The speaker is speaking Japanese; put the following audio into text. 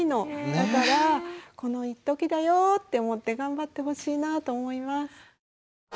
だから「このいっときだよ」って思って頑張ってほしいなと思います。